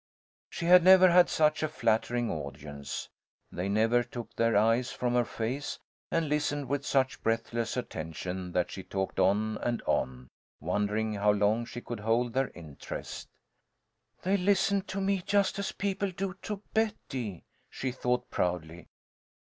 She had never had such a flattering audience. They never took their eyes from her face, and listened with such breathless attention that she talked on and on, wondering how long she could hold their interest. "They listen to me just as people do to Betty," she thought, proudly.